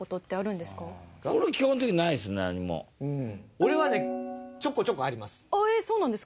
俺はねちょこちょこあります。